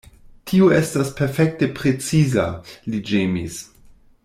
Tio estas perfekte preciza, li ĝemis.